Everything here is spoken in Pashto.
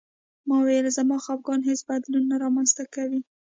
ما وویل زموږ خپګان هېڅ بدلون نه رامنځته کوي